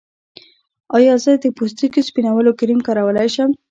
ایا زه د پوستکي سپینولو کریم کارولی شم؟